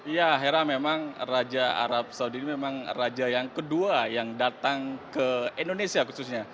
ya hera memang raja arab saudi ini memang raja yang kedua yang datang ke indonesia khususnya